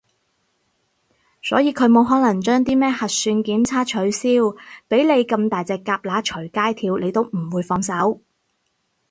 所以佢冇可能將啲咩核算檢測取消，畀着你咁大隻蛤乸隨街跳你都唔會放手